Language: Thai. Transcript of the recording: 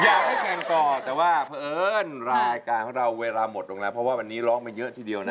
อยากให้แข่งก่อนแต่ว่าเพราะเอิญรายการของเราเวลาหมดลงแล้วเพราะว่าวันนี้ร้องมาเยอะทีเดียวนะ